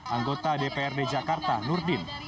anggota dprd jakarta nurdin